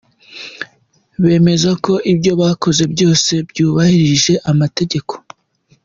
Bemeza ko ibyo bakoze byose byubahirije amategeko.